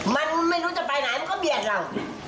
มันไม่รู้จะไปไหนมันก็เบียดเรา